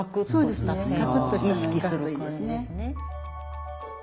そうですね。